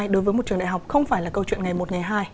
đối với một trường đại học không phải là câu chuyện ngày một ngày hai